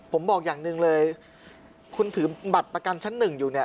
ผมบอกอย่างหนึ่งเลยคุณถือบัตรประกันชั้น๑อยู่